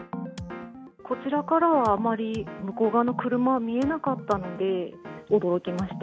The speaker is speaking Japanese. こちらからは、あまり向こう側の車は見えなかったので驚きました。